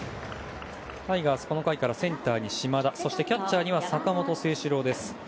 タイガース、この回からセンターに島田キャッチャーには坂本誠志郎です。